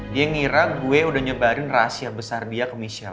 dia ngira gue udah nyebarin rahasia besar dia ke michelle